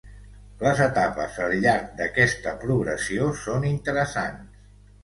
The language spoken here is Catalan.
Les etapes al llarg d'aquesta progressió són interessants.